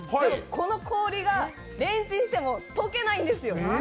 この氷がレンチンしても解けないんですよ。